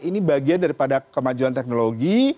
ini bagian daripada kemajuan teknologi